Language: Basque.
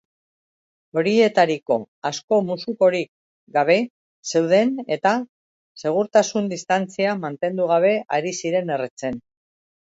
Horietariko asko musukorik gabe zeuden eta segurtasun-distantzia mantendu gabe ari ziren erretzen.